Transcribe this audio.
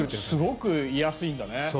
すごくいやすいんだね。